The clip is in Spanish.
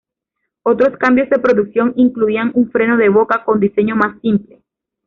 Otros cambios de producción incluían un freno de boca con diseño más simple.